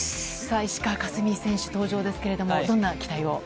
石川佳純選手登場ですけれども、どんな期待を。